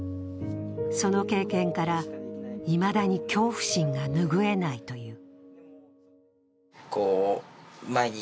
その経験から、いまだに恐怖心が拭えないという。